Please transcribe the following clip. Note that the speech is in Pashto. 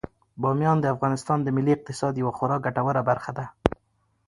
بامیان د افغانستان د ملي اقتصاد یوه خورا ګټوره برخه ده.